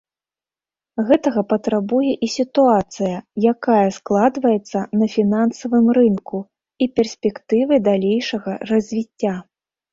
Гэтага патрабуе і сітуацыя, якая складваецца на фінансавым рынку, і перспектывы далейшага развіцця.